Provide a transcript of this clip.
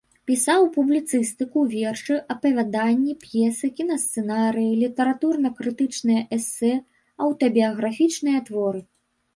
Пісаў публіцыстыку, вершы, апавяданні, п'есы, кінасцэнарыі, літаратурна-крытычныя эсэ, аўтабіяграфічныя творы.